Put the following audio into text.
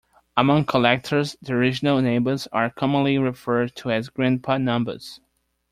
Among collectors, the original Nambus are commonly referred to as Grandpa Nambus.